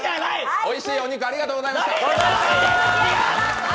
おいしいお肉ありがとうございました。